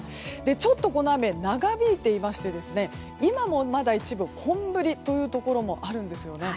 ちょっとこの雨長引いていまして今もまだ一部、本降りというところもあるんです。